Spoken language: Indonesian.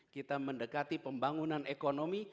kita mendekati pembangunan ekonomi